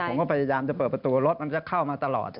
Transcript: ผมก็พยายามจะเปิดประตูรถมันจะเข้ามาตลอด